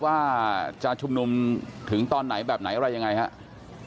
ว่าจะชุมนุมถึงตอนไหนแบบไหนอะไรยังไงครับ